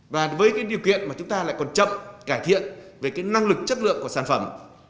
và với cái điều kiện mà chúng ta lại còn chậm cải thiện về cái năng lực chất lượng của sản phẩm